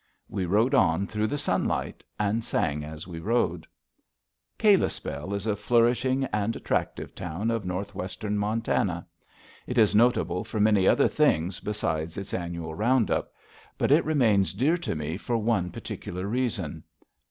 We rode on through the sunlight, and sang as we rode. Kalispell is a flourishing and attractive town of northwestern Montana. It is notable for many other things besides its annual round up. But it remains dear to me for one particular reason.